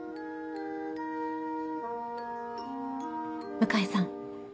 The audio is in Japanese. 向井さん。